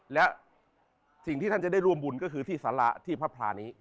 และสิ่งที่ท่านจะได้ร่วมบุญก็คือที่สาระที่พระพลานี้